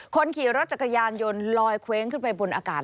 คนขี่รถจักรยานยนต์ลอยเคว้งขึ้นไปบนอากาศ